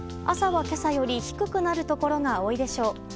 朝は今朝より低くなるところが多いでしょう。